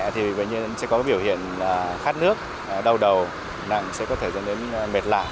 thì sẽ có biểu hiện khát nước đau đầu nặng sẽ có thể dẫn đến mệt lạ